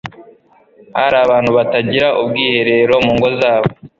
hari abantu batagira ubwiherero mungo zabo,